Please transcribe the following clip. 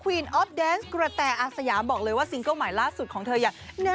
เอออยากให้สนุกสนานกันหน้าเวทีหมองแซ่บนะฮะ